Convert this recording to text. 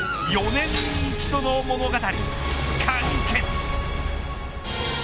４年に一度の物語完結。